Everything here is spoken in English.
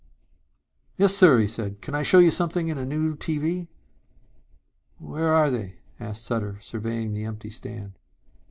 "Yes, sir," he said. "Can I show you something in a new TV?" "Where are they?" asked Sutter, surveying the empty stand.